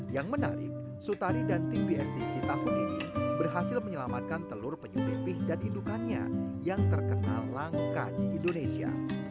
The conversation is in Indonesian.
yang menarik sutari dan tim bstc tahun ini berhasil menyelamatkan telur penyu pipih dan indukannya yang terkenal langka di indonesia